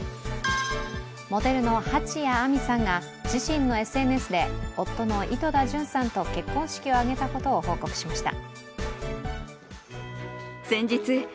モデルの蜂谷晏海さんが自身のＳＮＳで夫の井戸田潤さんと結婚式を挙げたことを報告しました。